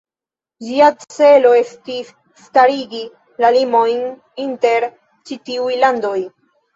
Ĝia celo estis starigi la limojn inter ĉi tiuj landoj.